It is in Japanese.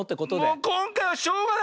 もうこんかいはしょうがない。